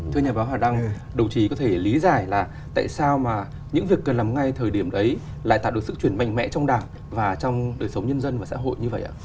thưa nhà báo hòa đăng đồng chí có thể lý giải là tại sao mà những việc cần làm ngay thời điểm đấy lại tạo được sức chuyển mạnh mẽ trong đảng và trong đời sống nhân dân và xã hội như vậy ạ